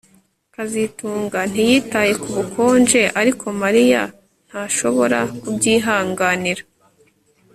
kazitunga ntiyitaye ku bukonje ariko Mariya ntashobora kubyihanganira